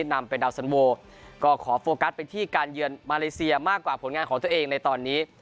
นำเป็นดาวสันโวก็ขอโฟกัสไปที่การเยือนมาเลเซียมากกว่าผลงานของตัวเองในตอนนี้